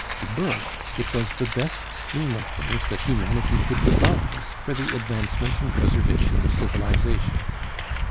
To Burke it was the best scheme of things that humanity could devise for the advancement and preservation of civilization.